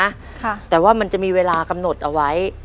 ค่ะแต่ว่ามันจะมีเวลากำหนดเอาไว้